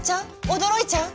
驚いちゃう？